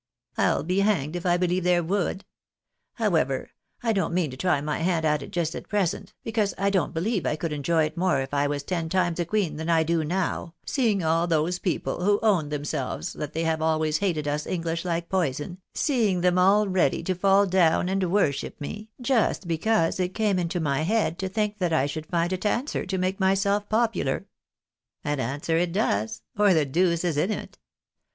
I'll be hanged if I believe there would. However, I don't mean to try my hand at it just at present, because I don't believe I could enjoy it more if I was ten times a queen than I do now, seeing all those people who own themselves that they have always hated us Enghsh like poison, seeing them all ready to fall down and worship me, just because it came into my head to think that I should find it answer to make myself popular ! And answer it does, or the deuce is in it.